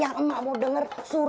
kalo kita berkeluar